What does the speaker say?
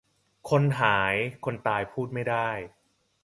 คนหายคนตายพูดไม่ได้